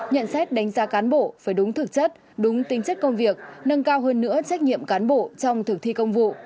nhận xét đánh giá cán bộ phải đúng thực chất đúng tính chất công việc nâng cao hơn nữa trách nhiệm cán bộ trong thực thi công vụ